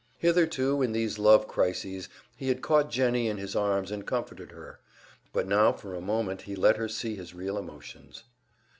Hitherto in these love crises he had caught Jennie in his arms and comforted her; but now for a moment he let her see his real emotions.